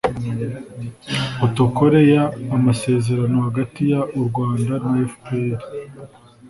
Potokole y amasezerano hagati y u rwanda na fpr